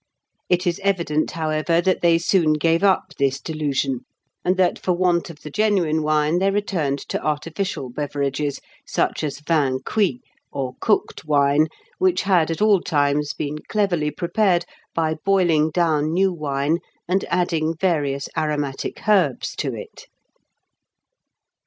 It is evident, however, that they soon gave up this delusion, and that for want of the genuine wine they returned to artificial beverages, such as vin cuit, or cooked wine, which had at all times been cleverly prepared by boiling down new wine and adding various aromatic herbs to it.